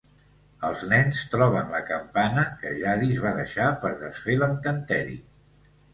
Els nens troben la campana que Jadis va deixar per desfer l'encanteri.